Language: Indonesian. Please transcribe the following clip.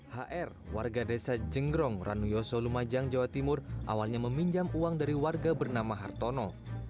hr warga desa jengrong ranuyoso lumajang jawa timur awalnya meminjam uang dari warga bernama hartono